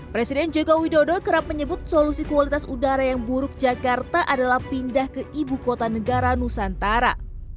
presiden jokowi dodo kerap menyebut solusi kualitas udara yang buruk jakarta adalah pindah ke ibu kota negara nusantara